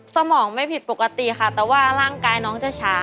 สมองไม่ผิดปกติค่ะแต่ว่าร่างกายน้องจะช้า